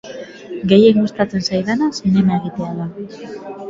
Gehien gustatzen zaidana zinema egitea da.